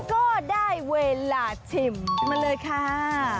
ก็ได้เวลาชิมมาเลยค่ะ